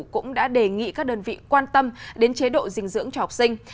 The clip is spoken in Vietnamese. cũng đã đề nghị các đơn vị quan tâm đến chế độ dinh dưỡng cho học sinh